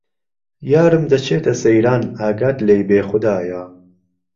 یارم دهچێته سهیران ئاگات لێی بێ خودایا